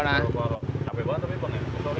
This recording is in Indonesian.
ampe banget tapi bang ya